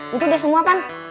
itu udah semua kan